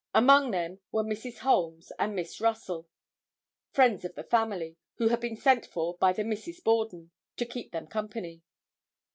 Among them were Mrs. Holmes and Miss Russell, friends of the family, who had been sent for by the Misses Borden to keep them company.